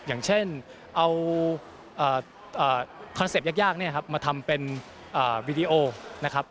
อย่างเช่นเอาคอนเซ็ปต์ยากมาทำเป็นวิดีโอนะครับ